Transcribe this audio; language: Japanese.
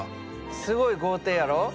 すごい豪邸やろ？